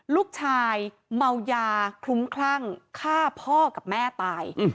ลูกชายเมายาคลุ้มคลั่งฆ่าพ่อกับแม่ตาย